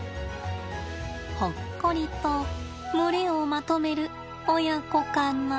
ほっこりと群れをまとめる親子かな。